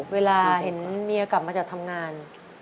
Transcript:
เวลาเห็นเมียกลับมาจากทำงาน